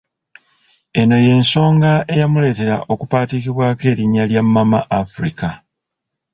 Eno y'ensonga eyamuleetera okupaatiikibwako erinnya lya "Mama Afirika"